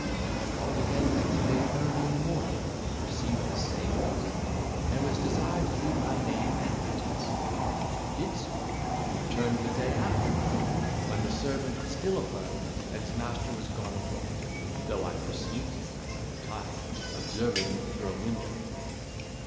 I called again next day early in the morning, received the same answer, and was desired to leave my name and business: I did so, and returned the day after, when the servant still affirmed that his master was gone abroad; though I perceived him, as I retired, observing me through a window.